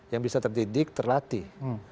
yang bisa terdidik terlatih